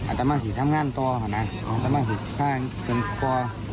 อาตมาสิทำงานต่อนะอาตมาสิถ่ายกันก่อน